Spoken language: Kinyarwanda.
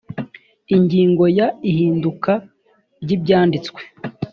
ingingo ya ihinduka ry ibyanditswe